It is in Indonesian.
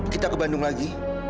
kita ke bandung lagi